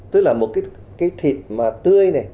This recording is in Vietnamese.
tức là một cái thịt mà tươi này